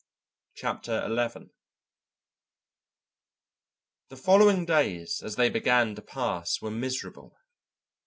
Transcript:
Chapter Eleven The following days as they began to pass were miserable.